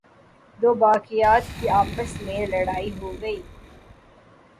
دوباقیات کی آپس میں لڑائی ہوگئی۔